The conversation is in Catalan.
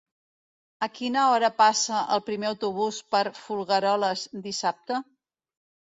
A quina hora passa el primer autobús per Folgueroles dissabte?